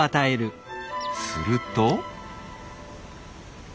すると。